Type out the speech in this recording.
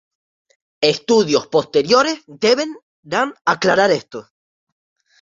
Estudios posteriores deberán aclarar esto.